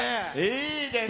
いいです。